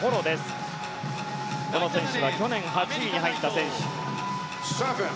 この選手は去年８位に入った選手。